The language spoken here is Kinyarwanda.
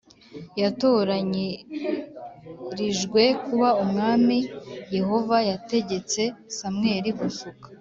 Yatoranyirijwe kuba umwami yehova yategetse samweli gusuka